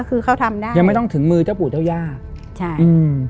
คือเขาทำได้ยังไม่ต้องถึงมือเจ้าปู่เจ้าย่าใช่อืม